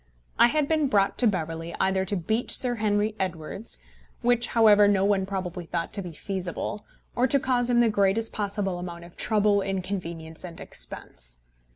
I had been brought to Beverley either to beat Sir Henry Edwards, which, however, no one probably thought to be feasible, or to cause him the greatest possible amount of trouble, inconvenience, and expense.